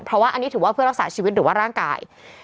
เพราะว่าอันนี้ถือว่าเพื่อรักษาชีวิตหรือว่าร่างกาย